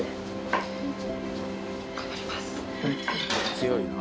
強いな。